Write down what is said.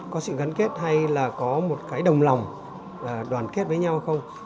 có sự gắn kết hay là có một cái đồng lòng đoàn kết với nhau hay không